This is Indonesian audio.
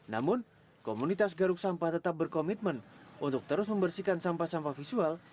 namun komunitas garuk sampah tetap berkomitmen untuk terus membersihkan sampah sampah visual